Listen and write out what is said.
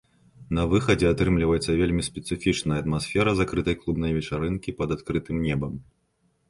На выхадзе атрымліваецца вельмі спецыфічная атмасфера закрытай клубнай вечарынкі пад адкрытым небам.